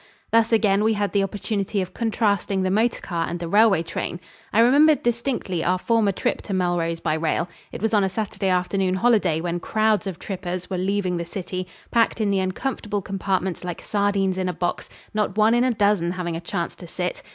Thus again we had the opportunity of contrasting the motor car and the railway train. I remembered distinctly our former trip to Melrose by rail. It was on a Saturday afternoon holiday when crowds of trippers were leaving the city, packed in the uncomfortable compartments like sardines in a box not one in a dozen having a chance to sit.